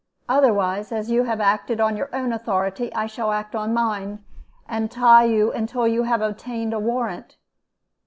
Otherwise, as you have acted on your own authority, I shall act on mine, and tie you until you have obtained a warrant.